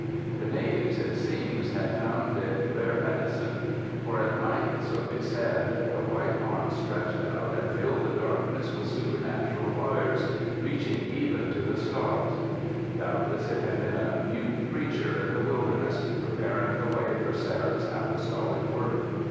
The natives, it seems, had found it rare "medicine"; for at night, so they said, the white arms stretched out and filled the darkness with supernatural fires, reaching even to the stars. Doubtless it had been a mute preacher in the wilderness, preparing the way for Serra 's apostolic work.